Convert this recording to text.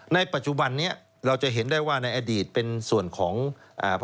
ในปัจจุบันนี้เราจะเห็นได้ว่าในอดีตเป็นส่วนของพระมหากษัตริย์